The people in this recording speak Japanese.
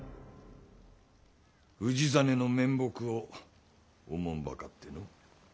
氏真の面目をおもんばかっての。